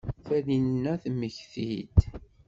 Taninna temmekti-d.